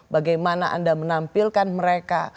bagaimana anda menampilkan mereka